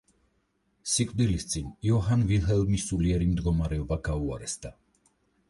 სიკვდილის წინ იოჰან ვილჰელმის სულიერი მდგომარეობა გაუარესდა.